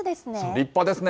立派ですね。